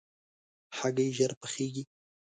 هګۍ ژر پخېږي.